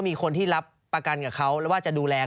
มีคนที่รับประกันกับเขาแล้วว่าจะดูแล